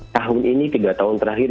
tahun ini tiga tahun terakhir